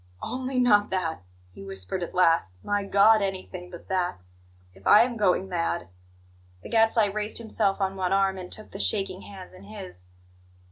"Only not that!" he whispered at last. "My God, anything but that! If I am going mad " The Gadfly raised himself on one arm, and took the shaking hands in his.